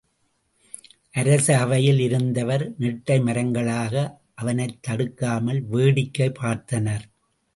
அரச அவையில் இருந்தவர் நெட்டை மரங்களாக அவனைத் தடுக்காமல் வேடிக்கை பார்த்தனர்.